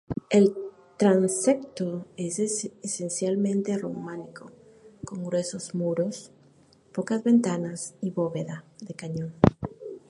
El transepto es esencialmente románico, con gruesos muros, pocas ventanas y bóveda de cañón.